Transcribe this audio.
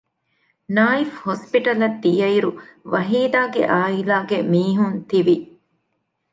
ނާއިފް ހޮސްޕިޓަލަށް ދިޔައިރު ވަހީދާގެ އާއިލާގެ މީހުން ތިވި